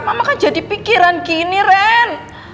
mama kan jadi pikiran gini ren